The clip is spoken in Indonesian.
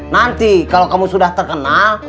nanti kalau kamu sudah terkenal